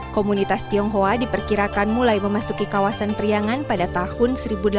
komunitas tionghoa diperkirakan mulai memasuki kawasan periangan pada tahun seribu delapan ratus sepuluh